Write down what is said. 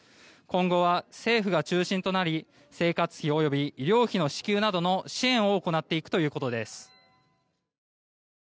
今後は政府が中心となり生活費及び医療費の支給などの支援を行っていくということです。